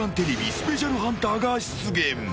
スペシャルハンターが出現。